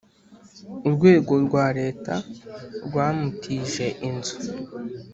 Urwego rwa Leta rwamutije inzu